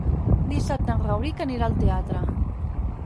Dissabte en Rauric anirà al teatre.